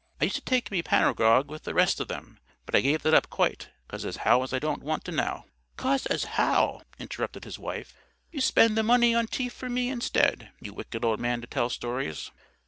I used to take my pan o' grog with the rest of them; but I give that up quite, 'cause as how I don't want it now." "'Cause as how," interrupted his wife, "you spend the money on tea for me, instead. You wicked old man to tell stories!"